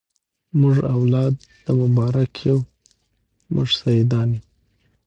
موږ اولاد د مبارک یو موږ سیدان یو